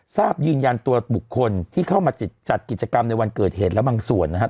ทราบยืนยันตัวบุคคลที่เข้ามาจัดกิจกรรมในวันเกิดเหตุแล้วบางส่วนนะครับ